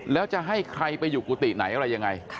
แล้วจะให้ใครไปอยู่กุฏิไหนอะไรยังไง